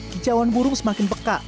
kijauan burung semakin peka